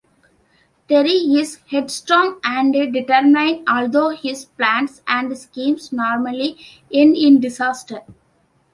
Terry is headstrong, and determined, although his plans and schemes normally end in disaster.